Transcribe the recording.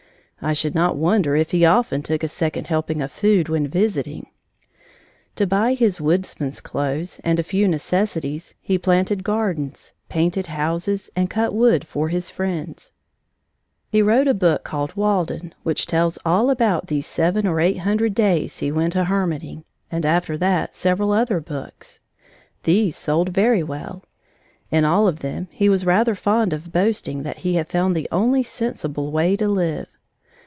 I should not wonder if he often took a second helping of food, when visiting. To buy his woodsman's clothes and a few necessities, he planted gardens, painted houses, and cut wood for his friends. He wrote a book called Walden which tells all about these seven or eight hundred days he went a hermiting, and after that, several other books. These sold very well. In all of them he was rather fond of boasting that he had found the only sensible way to live.